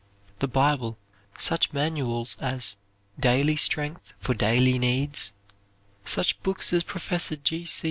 The Bible, such manuals as "Daily Strength for Daily Needs," such books as Professor C.